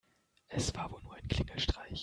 Es war wohl nur ein Klingelstreich.